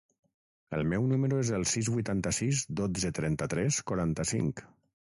El meu número es el sis, vuitanta-sis, dotze, trenta-tres, quaranta-cinc.